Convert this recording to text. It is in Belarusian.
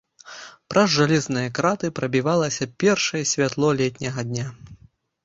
Праз жалезныя краты прабівалася першае святло летняга дня.